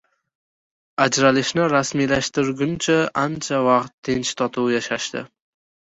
Ajralishni rasmiylashtirguncha ancha vaqt tinch-totuv yashashdi.